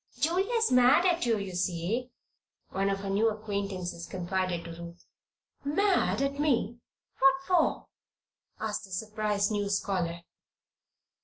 "Julia's mad at you, you see," one of her new acquaintances confided to Ruth. "Mad at me? What for?" asked the surprised new scholar.